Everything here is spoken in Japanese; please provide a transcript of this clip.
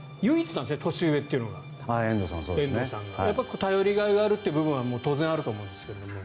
頼りがいがあるという部分は当然あると思いますが。